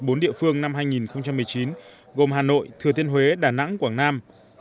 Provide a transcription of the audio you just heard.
bốn địa phương năm hai nghìn một mươi chín gồm hà nội thừa thiên huế đà nẵng quảng nam